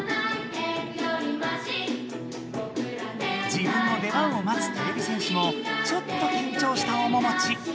自分の出番をまつてれび戦士もちょっときんちょうしたおももち。